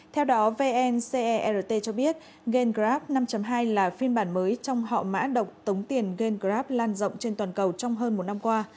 theo đó vncert cho biết gengrab năm hai là phiên bản mới trong họ mã độc tống tiền gengrab lan rộng trên toàn cầu trong hơn một năm qua